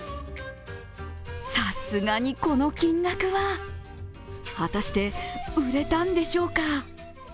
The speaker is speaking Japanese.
さすがにこの金額は果たして売れたんでしょうか？